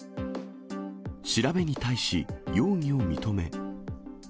調べに対し容疑を認め。